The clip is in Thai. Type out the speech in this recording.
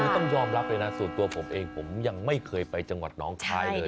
คือต้องยอมรับเลยนะส่วนตัวผมเองผมยังไม่เคยไปจังหวัดน้องคลายเลย